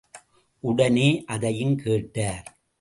உடனே அதையும் கேட்டார்.